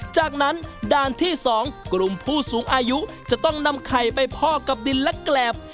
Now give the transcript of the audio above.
จากนั้นด่านที่๒กลุ่มผู้สูงอายุจะต้องนำไข่ไปพอกกับดินและแกรบ